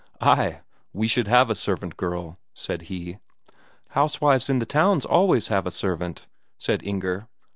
"Ay, we should have a servant girl," said he. "Housewives in the towns always have a servant," said Inger.